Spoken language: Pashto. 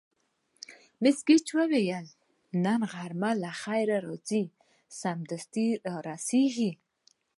مس ګېج وویل: نن غرمه له خیره راځي، سمدستي را رسېږي.